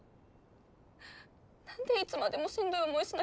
何でいつまでもしんどい思いしな